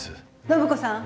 暢子さん。